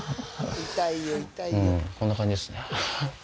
うんこんな感じですね。